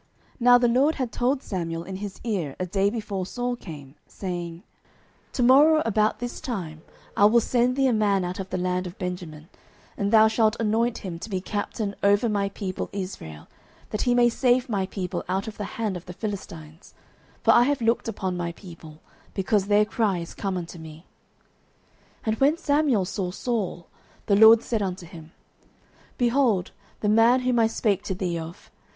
09:009:015 Now the LORD had told Samuel in his ear a day before Saul came, saying, 09:009:016 To morrow about this time I will send thee a man out of the land of Benjamin, and thou shalt anoint him to be captain over my people Israel, that he may save my people out of the hand of the Philistines: for I have looked upon my people, because their cry is come unto me. 09:009:017 And when Samuel saw Saul, the LORD said unto him, Behold the man whom I spake to thee of!